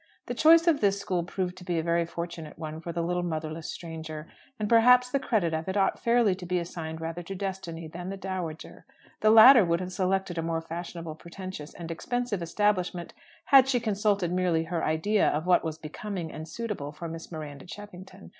The choice of this school proved to be a very fortunate one for the little motherless stranger. And perhaps the credit of it ought fairly to be assigned rather to Destiny than the dowager. The latter would have selected a more fashionable, pretentious, and expensive establishment had she consulted merely her idea of what was becoming and suitable for Miss Miranda Cheffington.